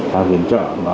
họ viện trợ